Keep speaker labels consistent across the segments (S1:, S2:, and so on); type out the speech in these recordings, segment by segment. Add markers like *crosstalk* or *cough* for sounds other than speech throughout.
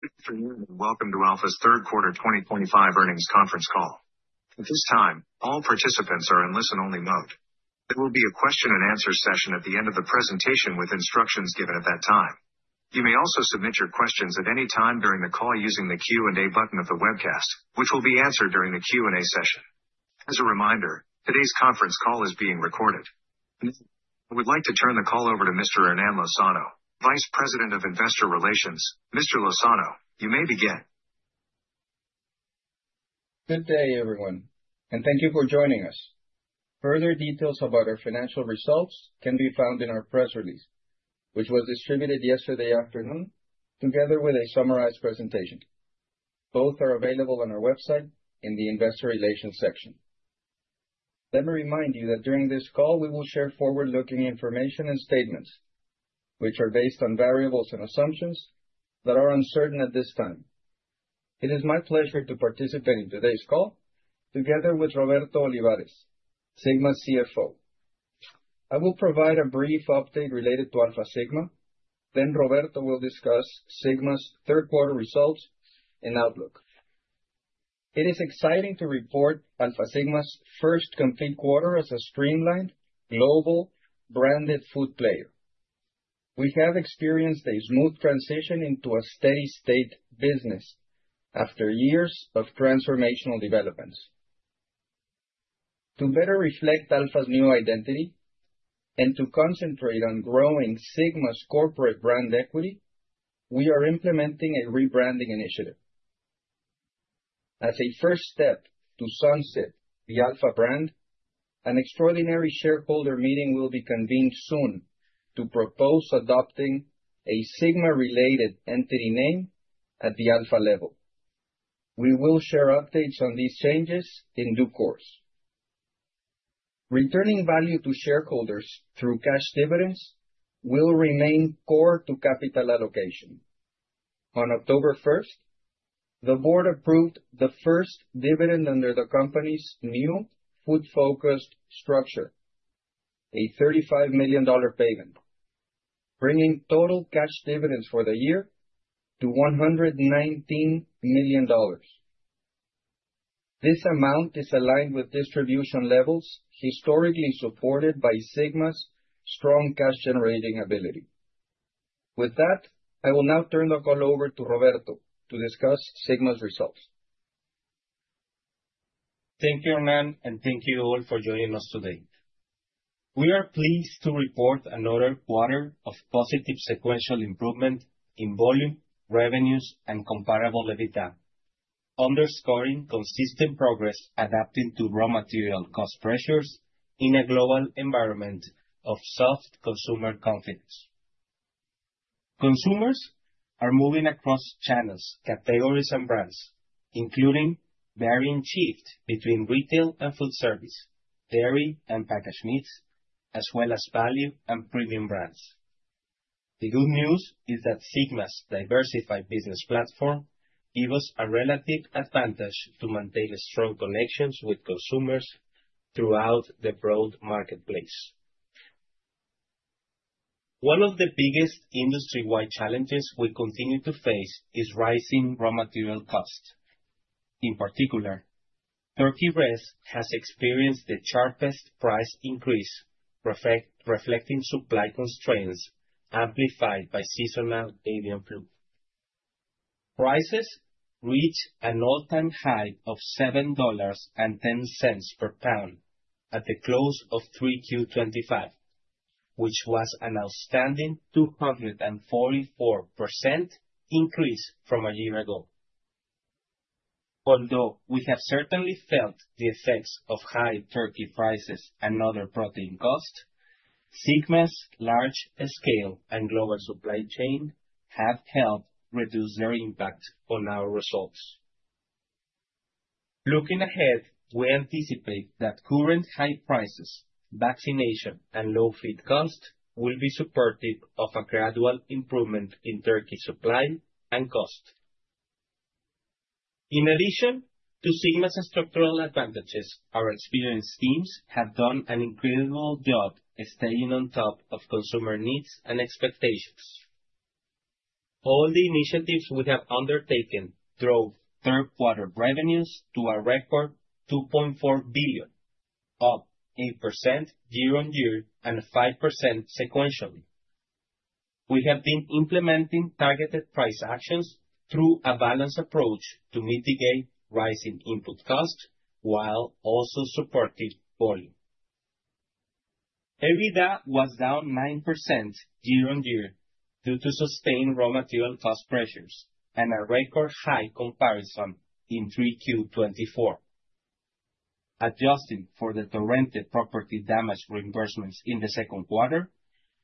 S1: Good day and welcome to ALFA's third quarter 2025 earnings conference call. At this time, all participants are in listen-only mode. There will be a question-and-answer session at the end of the presentation with instructions given at that time. You may also submit your questions at any time during the call using the Q&A button of the webcast, which will be answered during the Q&A session. As a reminder, today's conference call is being recorded. I would like to turn the call over to Mr. Hernán Lozano, Vice President of Investor Relations. Mr. Lozano, you may begin.
S2: Good day, everyone, and thank you for joining us. Further details about our financial results can be found in our press release, which was distributed yesterday afternoon together with a summarized presentation. Both are available on our website in the Investor Relations section. Let me remind you that during this call, we will share forward-looking information and statements which are based on variables and assumptions that are uncertain at this time. It is my pleasure to participate in today's call together with Roberto Olivares, Sigma's CFO. I will provide a brief update related to ALFA Sigma. Then Roberto will discuss Sigma's third quarter results and outlook. It is exciting to report ALFA Sigma's first complete quarter as a streamlined, global, branded food player. We have experienced a smooth transition into a steady-state business after years of transformational developments. To better reflect ALFA's new identity and to concentrate on growing Sigma's corporate brand equity, we are implementing a rebranding initiative. As a first step to sunset the ALFA brand, an extraordinary shareholder meeting will be convened soon to propose adopting a Sigma-related entity name at the ALFA level. We will share updates on these changes in due course. Returning value to shareholders through cash dividends will remain core to capital allocation. On October 1st, the board approved the first dividend under the company's new food-focused structure, a $35 million payment, bringing total cash dividends for the year to $119 million. This amount is aligned with distribution levels historically supported by Sigma's strong cash-generating ability. With that, I will now turn the call over to Roberto to discuss Sigma's results.
S3: Thank you, Hernán, and thank you all for joining us today. We are pleased to report another quarter of positive sequential improvement in volume, revenues, and comparable EBITDA, underscoring consistent progress adapting to raw material cost pressures in a global environment of soft consumer confidence. Consumers are moving across channels, categories, and brands, including varying shifts between retail and food service, dairy and packaged meats, as well as value and premium brands. The good news is that Sigma's diversified business platform gives us a relative advantage to maintain strong connections with consumers throughout the broad marketplace. One of the biggest industry-wide challenges we continue to face is rising raw material costs. In particular, turkey breast has experienced the sharpest price increase, reflecting supply constraints amplified by seasonal avian flu. Prices reached an all-time high of $7.10 per pound at the close of 3Q 2025, which was an outstanding 244% increase from a year ago. Although we have certainly felt the effects of high turkey prices and other protein costs, Sigma's large-scale and global supply chain have helped reduce their impact on our results. Looking ahead, we anticipate that current high prices, vaccination, and low feed costs will be supportive of a gradual improvement in turkey supply and cost. In addition to Sigma's structural advantages, our experienced teams have done an incredible job staying on top of consumer needs and expectations. All the initiatives we have undertaken drove third-quarter revenues to a record $2.4 billion, up 8% year-on-year and 5% sequentially. We have been implementing targeted price actions through a balanced approach to mitigate rising input costs while also supporting volume. EBITDA was down 9% year-on-year due to sustained raw material cost pressures and a record high comparison in 3Q 2024. Adjusting for the Torrente property damage reimbursements in the second quarter,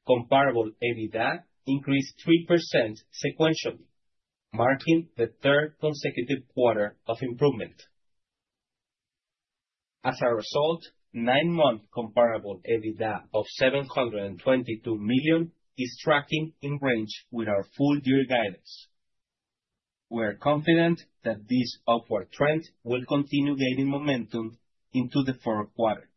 S3: comparable EBITDA increased 3% sequentially, marking the third consecutive quarter of improvement. As a result, nine-month comparable EBITDA of $722 million is tracking in range with our full-year guidance. We are confident that this upward trend will continue gaining momentum into the fourth quarter,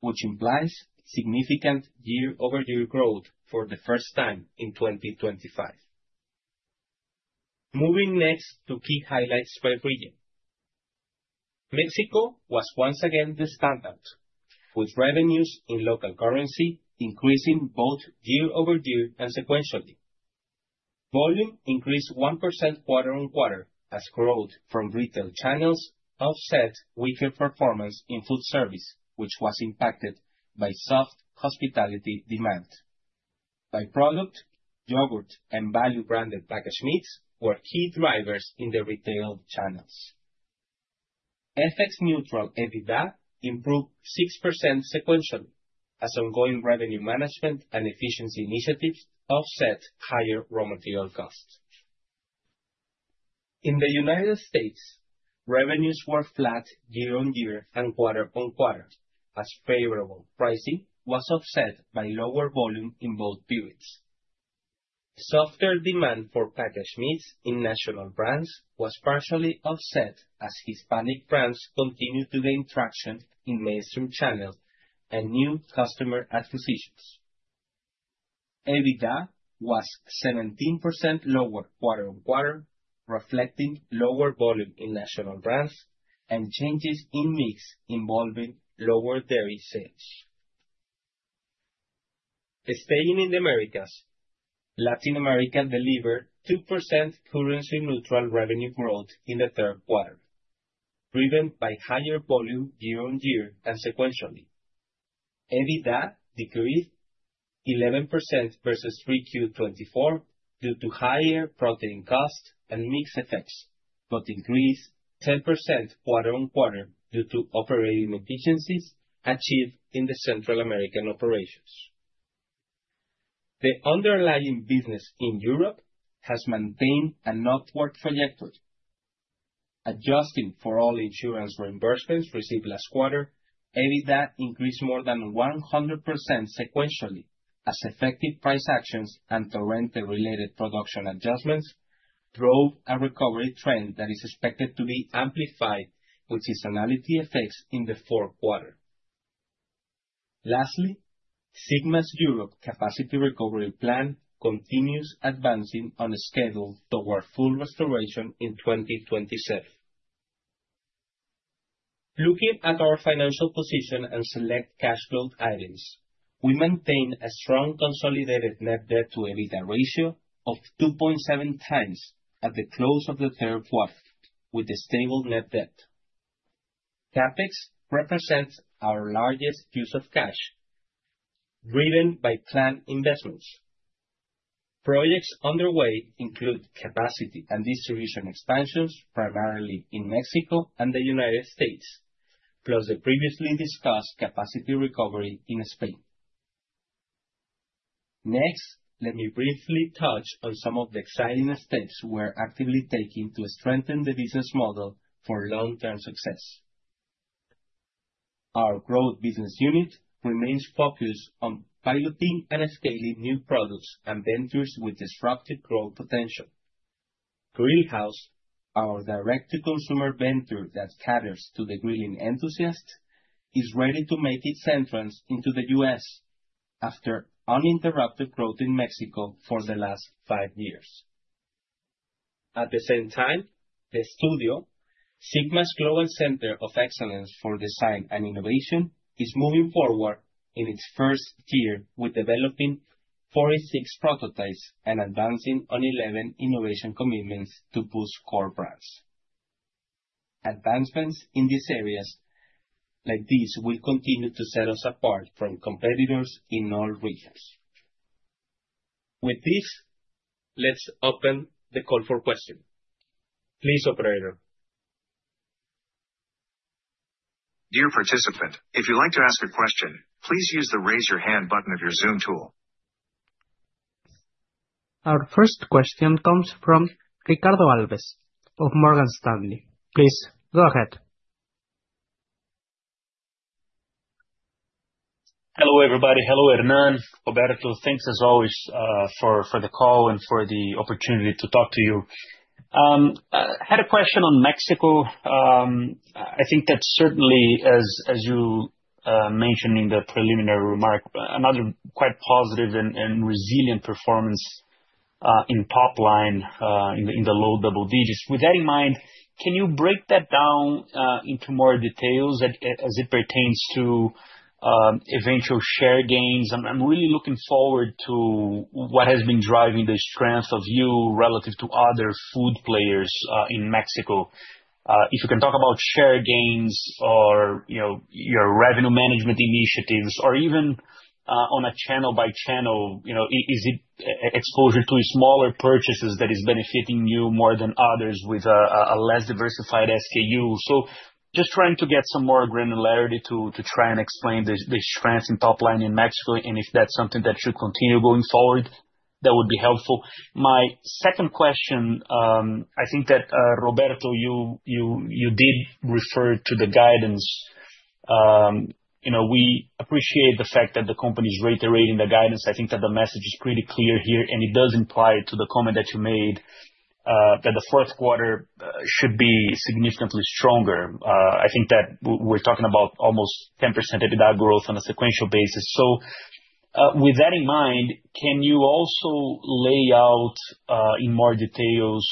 S3: which implies significant year-over-year growth for the first time in 2025. Moving next to key highlights by region, Mexico was once again the standout, with revenues in local currency increasing both year-over-year and sequentially. Volume increased 1% quarter on quarter as growth from retail channels offset weaker performance in food service, which was impacted by soft hospitality demand. By product, yogurt, and value-branded packaged meats were key drivers in the retail channels. FX-neutral EBITDA improved 6% sequentially as ongoing revenue management and efficiency initiatives offset higher raw material costs. In the United States, revenues were flat year-on-year and quarter on quarter as favorable pricing was offset by lower volume in both periods. Softer demand for packaged meats in national brands was partially offset as Hispanic brands continued to gain traction in mainstream channels and new customer acquisitions. EBITDA was 17% lower quarter on quarter, reflecting lower volume in national brands and changes in mix involving lower dairy sales. Staying in the Americas, Latin America delivered 2% currency-neutral revenue growth in the third quarter, driven by higher volume year-on-year and sequentially. EBITDA decreased 11% versus 3Q 2024 due to higher protein costs and mix effects, but increased 10% quarter on quarter due to operating efficiencies achieved in the Central American operations. The underlying business in Europe has maintained an upward trajectory. Adjusting for all insurance reimbursements received last quarter, EBITDA increased more than 100% sequentially as effective price actions and Torrente-related production adjustments drove a recovery trend that is expected to be amplified with seasonality effects in the fourth quarter. Lastly, Sigma's Europe capacity recovery plan continues advancing on a schedule toward full restoration in 2027. Looking at our financial position and select cash flow items, we maintain a strong consolidated net debt-to-EBITDA ratio of 2.7 times at the close of the third quarter, with a stable net debt. CapEx represents our largest use of cash, driven by planned investments. Projects underway include capacity and distribution expansions, primarily in Mexico and the United States, plus the previously discussed capacity recovery in Spain. Next, let me briefly touch on some of the exciting steps we're actively taking to strengthen the business model for long-term success. Our growth business unit remains focused on piloting and scaling new products and ventures with disruptive growth potential. Grill House, our direct-to-consumer venture that caters to the grilling enthusiasts, is ready to make its entrance into the U.S. after uninterrupted growth in Mexico for the last five years. At the same time, The Studio, Sigma's Global Center of Excellence for Design and Innovation, is moving forward in its first year with developing 46 prototypes and advancing on 11 innovation commitments to boost core brands. Advancements in these areas like these will continue to set us apart from competitors in all regions. With this, let's open the call for questions. Please, Operator.
S1: Dear participant, if you'd like to ask a question, please use the raise-your-hand button of your Zoom tool. Our first question comes from Ricardo Alves of Morgan Stanley. Please go ahead.
S4: Hello, everybody. Hello, Hernán. Roberto, thanks as always for the call and for the opportunity to talk to you. I had a question on Mexico. I think that certainly, as you mentioned in the preliminary remark, another quite positive and resilient performance in top line in the low double digits. With that in mind, can you break that down into more details as it pertains to eventual share gains? I'm really looking forward to what has been driving the strength of you relative to other food players in Mexico. If you can talk about share gains or your revenue management initiatives, or even on a channel-by-channel, is it exposure to smaller purchases that is benefiting you more than others with a less diversified SKU? So just trying to get some more granularity to try and explain the strength in top line in Mexico, and if that's something that should continue going forward, that would be helpful. My second question, I think that, Roberto, you did refer to the guidance. We appreciate the fact that the company is reiterating the guidance. I think that the message is pretty clear here, and it does imply to the comment that you made that the fourth quarter should be significantly stronger. I think that we're talking about almost 10% EBITDA growth on a sequential basis. So with that in mind, can you also lay out in more details,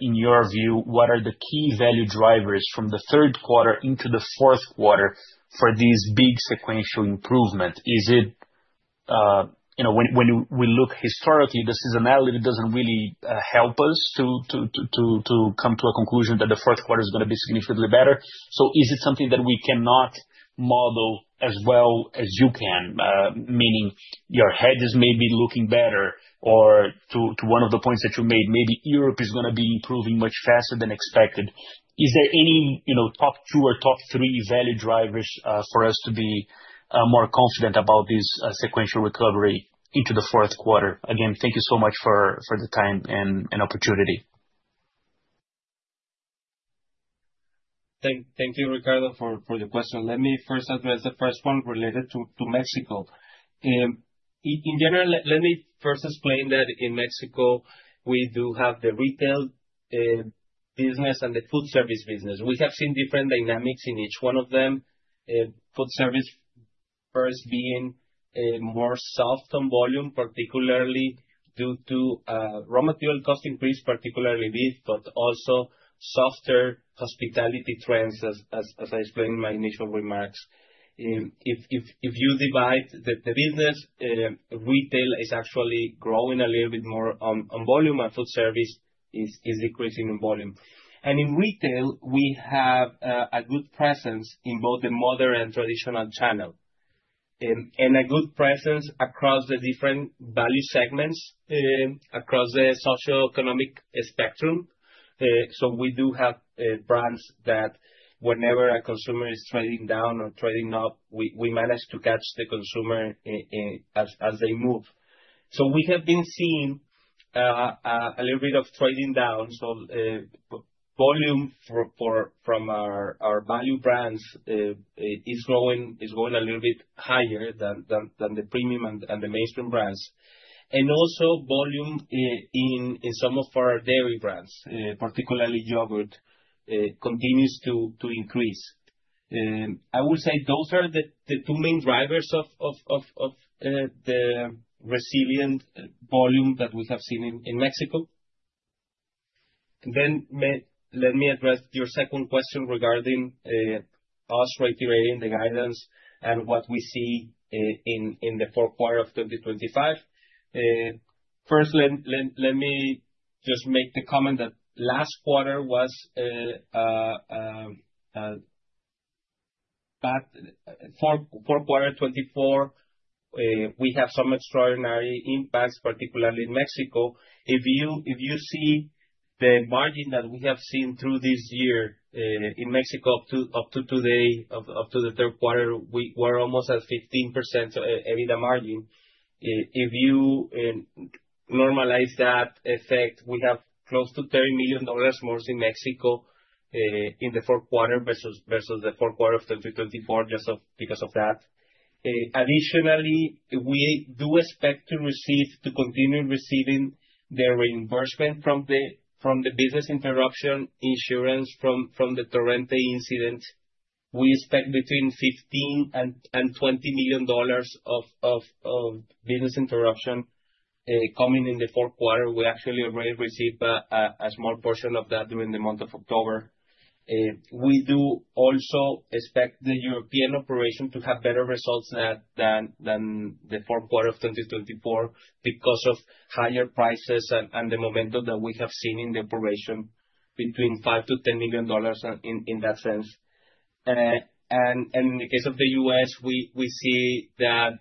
S4: in your view, what are the key value drivers from the third quarter into the fourth quarter for this big sequential improvement? When we look historically, the seasonality doesn't really help us to come to a conclusion that the fourth quarter is going to be significantly better, so is it something that we cannot model as well as you can, meaning your hedge is maybe looking better, or to one of the points that you made, maybe Europe is going to be improving much faster than expected? Is there any top two or top three value drivers for us to be more confident about this sequential recovery into the fourth quarter? Again, thank you so much for the time and opportunity.
S3: Thank you, Ricardo, for the question. Let me first address the first one related to Mexico. In general, let me first explain that in Mexico, we do have the retail business and the food service business. We have seen different dynamics in each one of them, food service first being more soft on volume, particularly due to raw material cost increase, particularly beef, but also softer hospitality trends, as I explained in my initial remarks. If you divide the business, retail is actually growing a little bit more on volume, and food service is decreasing in volume, and in retail, we have a good presence in both the modern and traditional channel, and a good presence across the different value segments, across the socio-economic spectrum, so we do have brands that whenever a consumer is trading down or trading up, we manage to catch the consumer as they move. So we have been seeing a little bit of trading down. So volume from our value brands is going a little bit higher than the premium and the mainstream brands. And also, volume in some of our dairy brands, particularly yogurt, continues to increase. I would say those are the two main drivers of the resilient volume that we have seen in Mexico. Then let me address your second question regarding us reiterating the guidance and what we see in the fourth quarter of 2025. First, let me just make the comment that last quarter was bad, fourth quarter 2024, we have some extraordinary impacts, particularly in Mexico. If you see the margin that we have seen through this year in Mexico up to today, up to the third quarter, we were almost at 15% EBITDA margin. If you normalize that effect, we have close to $30 million more in Mexico in the fourth quarter versus the fourth quarter of 2024 just because of that. Additionally, we do expect to continue receiving the reimbursement from the business interruption insurance from the Torrente incident. We expect between $15 and $20 million of business interruption coming in the fourth quarter. We actually already received a small portion of that during the month of October. We do also expect the European operation to have better results than the fourth quarter of 2024 because of higher prices and the momentum that we have seen in the operation between $5-$10 million in that sense. And in the case of the U.S., we see that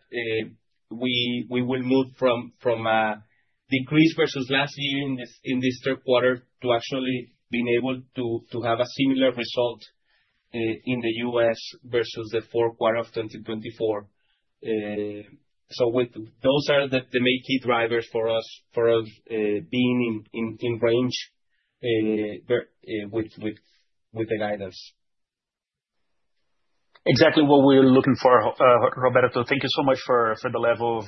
S3: we will move from a decrease versus last year in this third quarter to actually being able to have a similar result in the U.S. Versus the fourth quarter of 2024. So those are the main key drivers for us being in range with the guidance.
S4: Exactly what we're looking for, Roberto. Thank you so much for the level of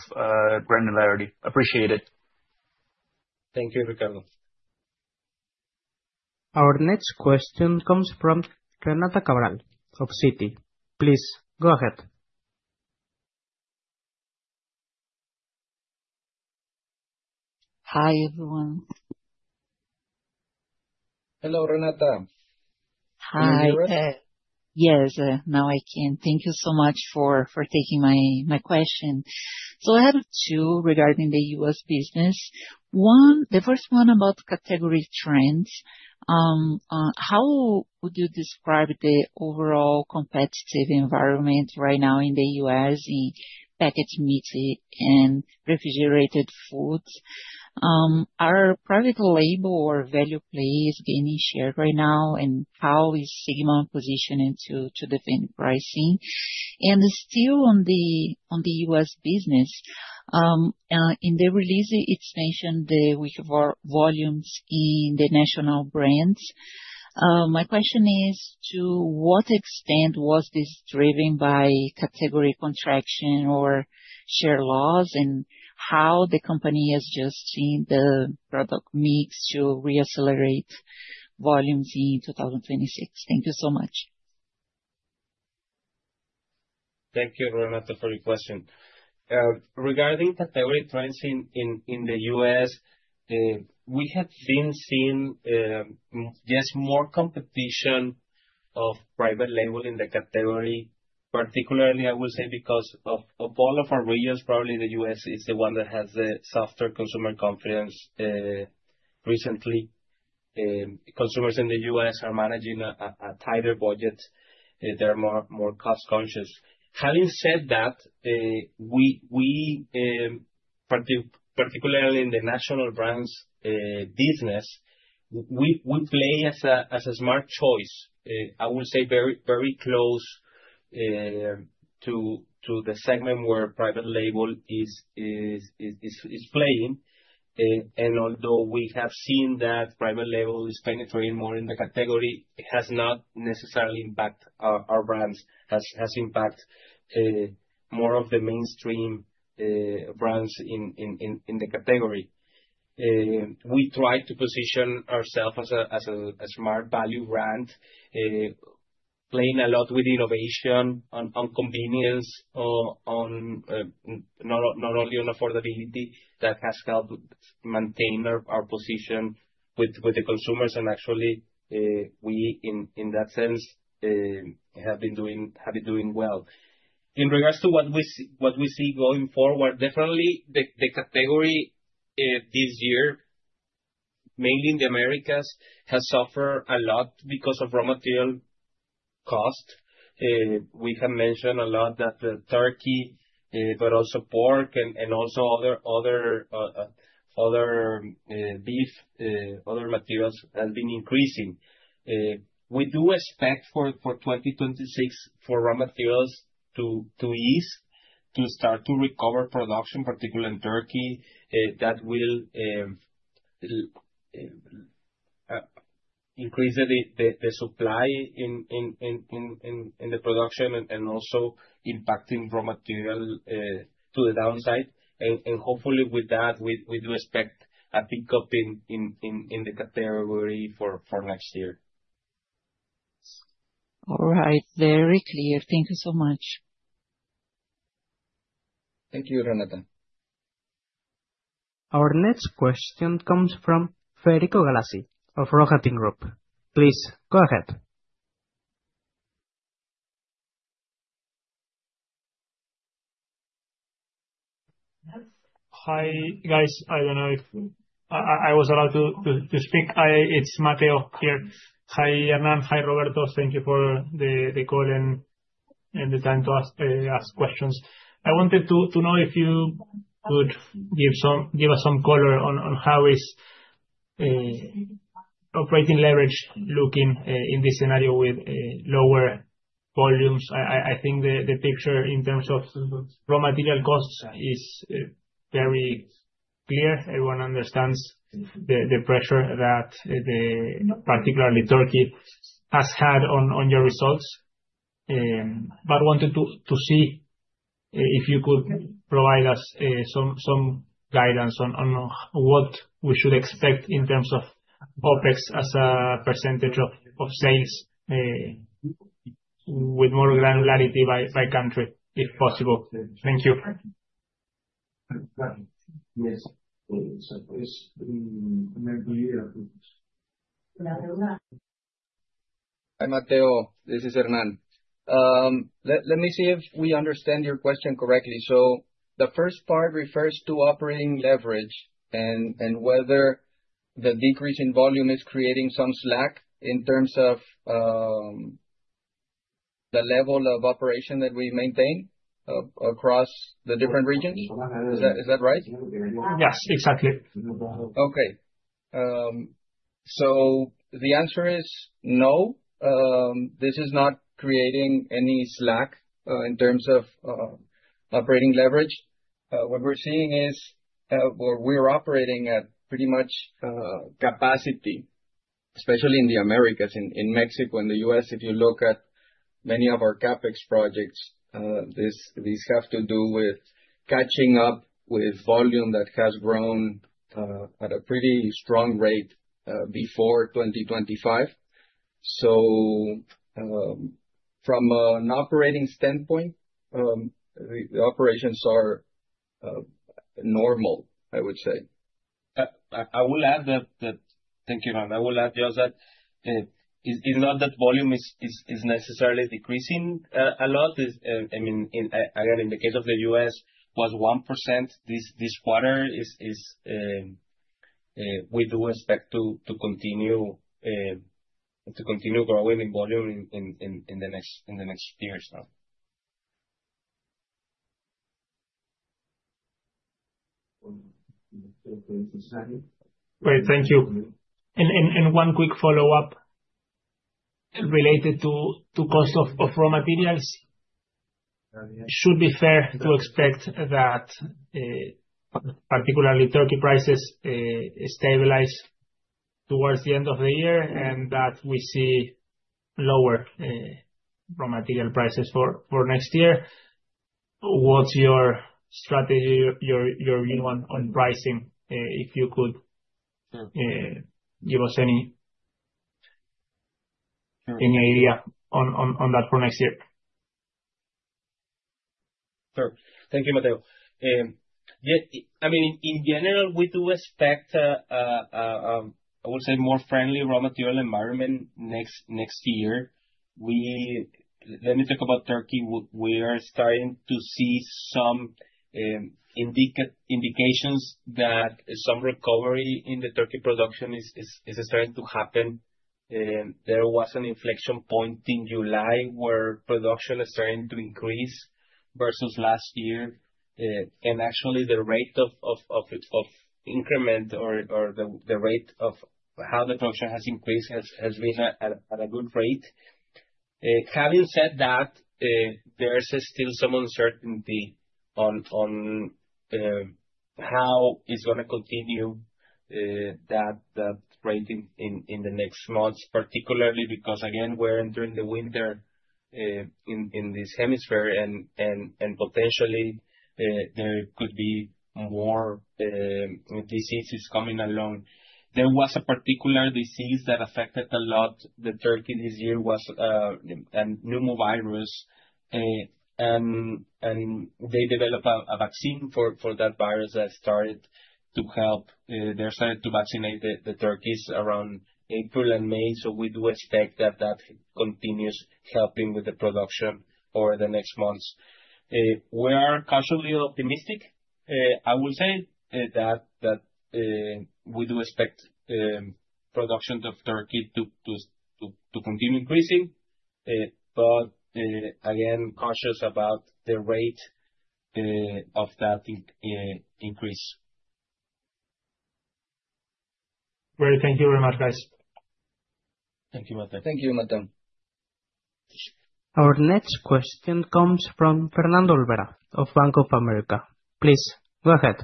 S4: granularity. Appreciate it.
S3: Thank you, Ricardo.
S1: Our next question comes from Renata Cabral of Citi. Please go ahead.
S5: Hi, everyone.
S3: Hello, Renata.
S5: Hi. Yes, now I can. Thank you so much for taking my question. So I have two regarding the U.S. business. The first one about category trends. How would you describe the overall competitive environment right now in the U.S. in packaged meats and refrigerated foods? Are private label or value plays gaining share right now, and how is Sigma positioned to defend pricing? And still on the U.S. business, in the release, it's mentioned that we have volumes in the national brands. My question is, to what extent was this driven by category contraction or share loss, and how the company has just seen the product mix to re-accelerate volumes in 2026? Thank you so much.
S3: Thank you, Renata, for your question. Regarding category trends in the U.S., we have been seeing just more competition of private label in the category, particularly, I would say, because of all of our regions, probably the U.S. is the one that has the softer consumer confidence recently. Consumers in the U.S. are managing a tighter budget. They're more cost-conscious. Having said that, particularly in the national brands business, we play as a smart choice. I would say very close to the segment where private label is playing, and although we have seen that private label is penetrating more in the category, it has not necessarily impacted our brands, has impacted more of the mainstream brands in the category. We try to position ourselves as a smart value brand, playing a lot with innovation on convenience, not only on affordability. That has helped maintain our position with the consumers. And actually, we in that sense have been doing well. In regards to what we see going forward, definitely the category this year, mainly in the Americas, has suffered a lot because of raw material cost. We have mentioned a lot that the turkey, but also pork, and also other beef, other materials have been increasing. We do expect for 2026 for raw materials to ease, to start to recover production, particularly in turkey, that will increase the supply in the production and also impacting raw material to the downside. And hopefully with that, we do expect a big up in the category for next year.
S5: All right. Very clear. Thank you so much.
S3: Thank you, Renata.
S1: Our next question comes from Federico Galassi of Rohatyn Group. Please go ahead. Hi, guys. I don't know if I was allowed to speak. It's Mateo here. Hi, Hernán. Hi, Roberto. Thank you for the call and the time to ask questions. I wanted to know if you could give us some color on how is operating leverage looking in this scenario with lower volumes. I think the picture in terms of raw material costs is very clear. Everyone understands the pressure that particularly turkey has had on your results. But I wanted to see if you could provide us some guidance on what we should expect in terms of OpEx as a percentage of sales with more granularity by country, if possible. Thank you.
S2: *audio distortion* Hi, Mateo. This is Hernán. Let me see if we understand your question correctly. So the first part refers to operating leverage and whether the decrease in volume is creating some slack in terms of the level of operation that we maintain across the different regions. Is that right? Yes, exactly. Okay. So the answer is no. This is not creating any slack in terms of operating leverage. What we're seeing is we're operating at pretty much capacity, especially in the Americas, in Mexico and the U.S. If you look at many of our CapEx projects, these have to do with catching up with volume that has grown at a pretty strong rate before 2025. So from an operating standpoint, the operations are normal, I would say. I will add that. Thank you. *audio distortion* I will add just that it's not that volume is necessarily decreasing a lot. I mean, again, in the case of the U.S., it was 1% this quarter. We do expect to continue growing in volume in the next years. Great. Thank you. And one quick follow-up related to cost of raw materials. It should be fair to expect that particularly Turkey prices stabilize towards the end of the year and that we see lower raw material prices for next year. What's your strategy, your view on pricing, if you could give us any idea on that for next year?
S3: Sure. Thank you, Mateo. I mean, in general, we do expect, I would say, a more friendly raw material environment next year. Let me talk about turkey. We are starting to see some indications that some recovery in the turkey production is starting to happen. There was an inflection point in July where production is starting to increase versus last year, and actually, the rate of increment or the rate of how the production has increased has been at a good rate. Having said that, there's still some uncertainty on how it's going to continue that rate in the next months, particularly because, again, we're entering the winter in this hemisphere, and potentially, there could be more diseases coming along. There was a particular disease that affected a lot the turkey this year, a pneumovirus, and they developed a vaccine for that virus that started to help. They started to vaccinate the turkeys around April and May. So we do expect that that continues helping with the production over the next months. We are cautiously optimistic. I will say that we do expect production of turkey to continue increasing, but again, cautious about the rate of that increase. Great. Thank you very much, guys. Thank you, Mateo.
S2: Thank you, Mateo.
S1: Our next question comes from Fernando Olvera of Bank of America. Please go ahead.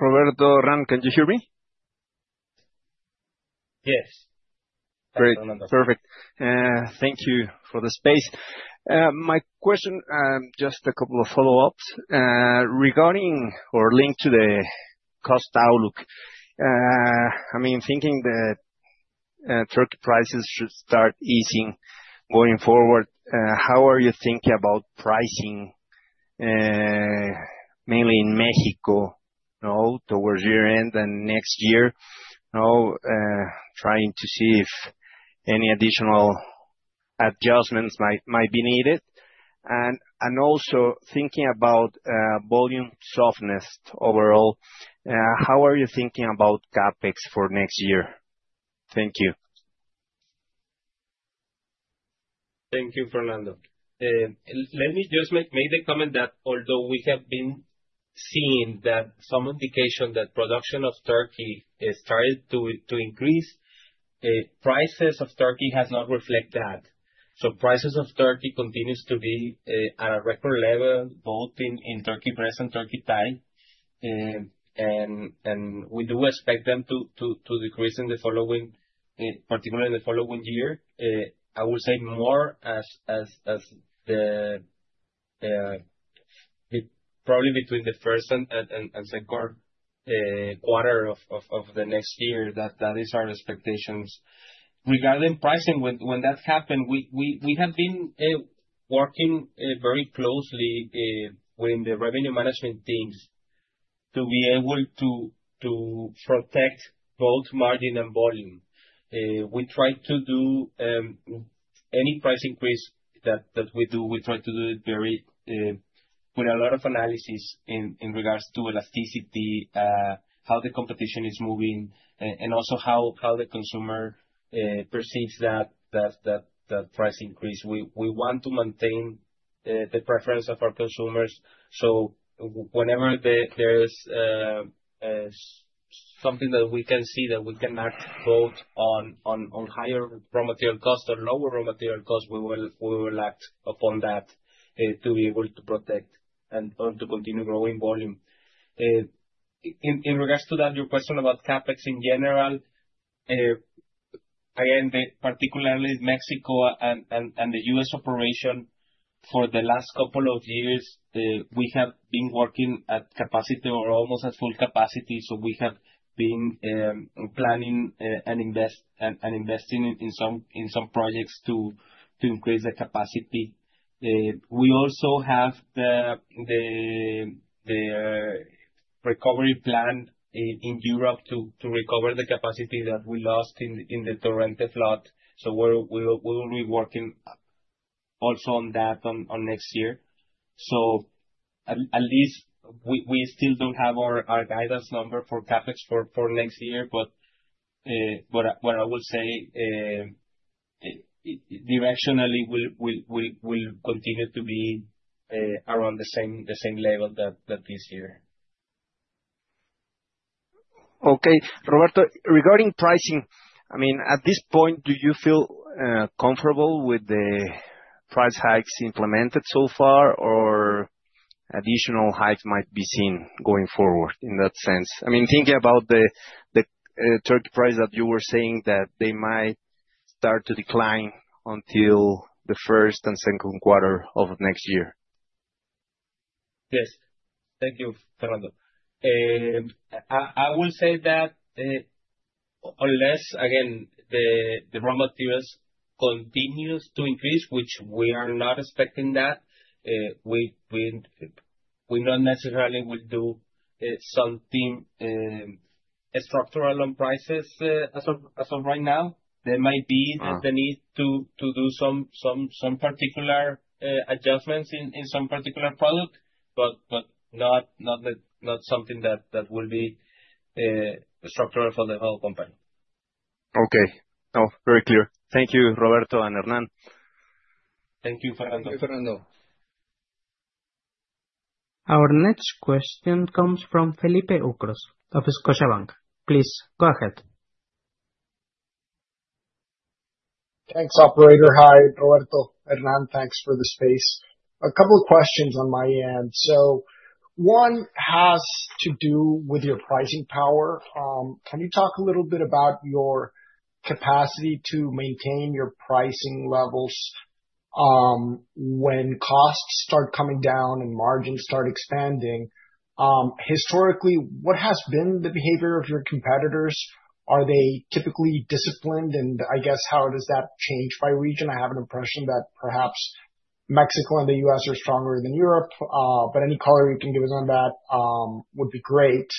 S6: Roberto, Hernán, can you hear me?
S3: Yes.
S6: Great. Perfect. Thank you for the space. My question, just a couple of follow-ups regarding or linked to the cost outlook. I mean, thinking that turkey prices should start easing going forward, how are you thinking about pricing, mainly in Mexico, towards year-end and next year, trying to see if any additional adjustments might be needed? And also thinking about volume softness overall, how are you thinking about CapEx for next year? Thank you.
S3: Thank you, Fernando. Let me just make the comment that although we have been seeing some indication that production of turkey has started to increase, prices of turkey have not reflected that. So prices of turkey continue to be at a record level, both in turkey breast, turkey thigh. And we do expect them to decrease in the following, particularly in the following year. I will say more probably between the first and second quarter of the next year. That is our expectations. Regarding pricing, when that happened, we have been working very closely with the revenue management teams to be able to protect both margin and volume. We try to do any price increase that we do, we try to do it with a lot of analysis in regards to elasticity, how the competition is moving, and also how the consumer perceives that price increase. We want to maintain the preference of our consumers. So whenever there is something that we can see that we can act both on higher raw material cost or lower raw material cost, we will act upon that to be able to protect and to continue growing volume. In regards to that, your question about CapEx in general, again, particularly Mexico and the U.S. operation for the last couple of years, we have been working at capacity or almost at full capacity. So we have been planning and investing in some projects to increase the capacity. We also have the recovery plan in Europe to recover the capacity that we lost in the Torrente flood. So we will be working also on that next year. So at least we still don't have our guidance number for CapEx for next year. But what I will say, directionally, we'll continue to be around the same level that this year.
S6: Okay. Roberto, regarding pricing, I mean, at this point, do you feel comfortable with the price hikes implemented so far, or additional hikes might be seen going forward in that sense? I mean, thinking about the Turkey price that you were saying that they might start to decline until the first and second quarter of next year.
S3: Yes. Thank you, Fernando. I will say that unless, again, the raw materials continue to increase, which we are not expecting that, we not necessarily will do something structural on prices as of right now. There might be the need to do some particular adjustments in some particular product, but not something that will be structural for the whole company.
S6: Okay. Very clear. Thank you, Roberto and Hernán.
S3: Thank you, Fernando.
S2: Thank you, Fernando.
S1: Our next question comes from Felipe Ucros of Scotiabank. Please go ahead.
S7: Thanks, Operator. Hi, Roberto, Hernán. Thanks for the space. A couple of questions on my end. So one has to do with your pricing power. Can you talk a little bit about your capacity to maintain your pricing levels when costs start coming down and margins start expanding? Historically, what has been the behavior of your competitors? Are they typically disciplined? And I guess, how does that change by region? I have an impression that perhaps Mexico and the U.S. are stronger than Europe, but any color you can give us on that would be great.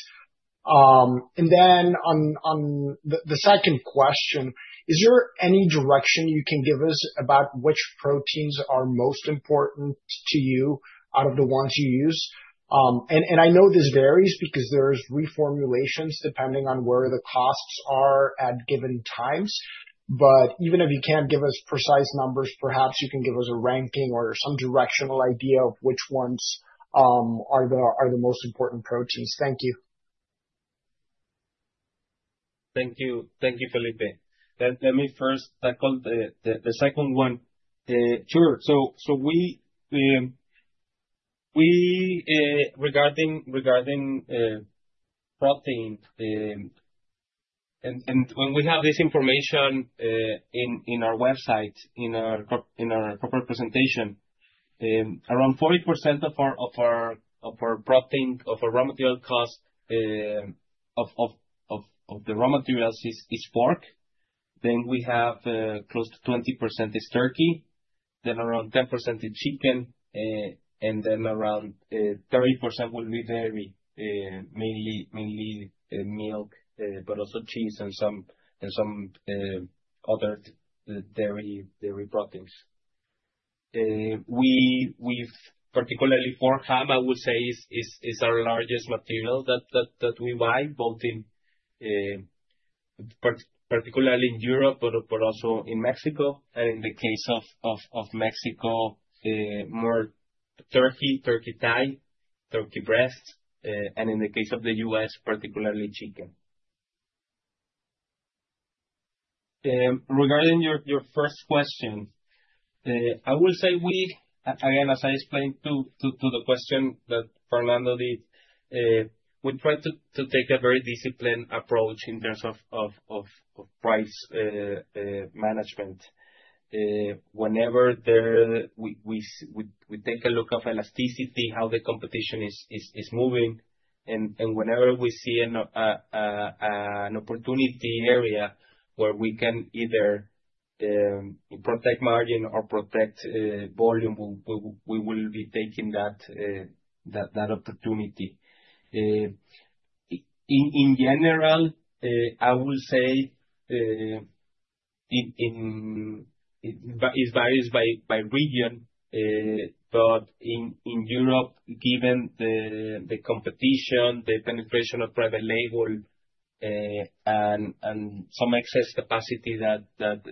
S7: And then on the second question, is there any direction you can give us about which proteins are most important to you out of the ones you use? And I know this varies because there are reformulations depending on where the costs are at given times. But even if you can't give us precise numbers, perhaps you can give us a ranking or some directional idea of which ones are the most important proteins. Thank you.
S3: Thank you. Thank you, Felipe. Let me first tackle the second one. Sure. So regarding protein, and when we have this information in our website, in our proper presentation, around 40% of our protein, of our raw material cost of the raw materials is pork. Then we have close to 20% is turkey, then around 10% is chicken, and then around 30% will be dairy, mainly milk, but also cheese and some other dairy proteins. Particularly, pork ham, I will say, is our largest material that we buy, both particularly in Europe, but also in Mexico. And in the case of Mexico, more turkey, turkey thigh, turkey breast, and in the case of the U.S., particularly chicken. Regarding your first question, I will say, again, as I explained to the question that Fernando did, we try to take a very disciplined approach in terms of price management. Whenever we take a look at elasticity, how the competition is moving, and whenever we see an opportunity area where we can either protect margin or protect volume, we will be taking that opportunity. In general, I will say it varies by region, but in Europe, given the competition, the penetration of private label, and some excess capacity that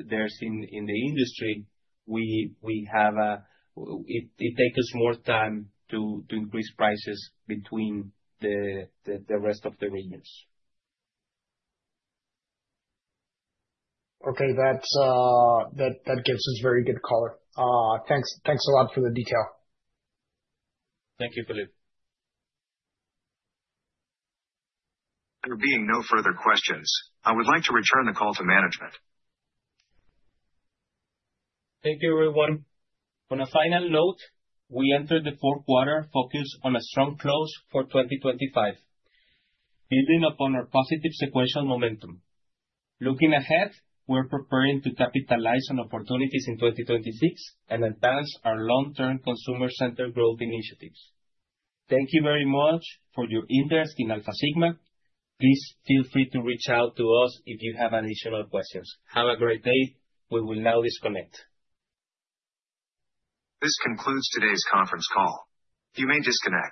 S3: there is in the industry, it takes us more time to increase prices between the rest of the regions.
S7: Okay. That gives us very good color. Thanks a lot for the detail.
S3: Thank you, Felipe.
S1: There being no further questions, I would like to return the call to management.
S3: Thank you, everyone. On a final note, we entered the fourth quarter focused on a strong close for 2025, building upon our positive sequential momentum. Looking ahead, we're preparing to capitalize on opportunities in 2026 and advance our long-term consumer-centered growth initiatives. Thank you very much for your interest in ALFA Sigma. Please feel free to reach out to us if you have additional questions. Have a great day. We will now disconnect.
S1: This concludes today's conference call. You may disconnect.